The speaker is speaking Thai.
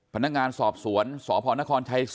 พนักงานสอบสวนสผช๔